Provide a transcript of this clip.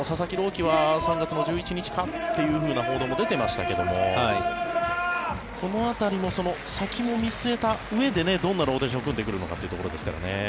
希は３月１１日かという報道も出ていましたけれどこの辺りも先も見据えたうえでどんなローテーションを組んでくるのかというところですからね。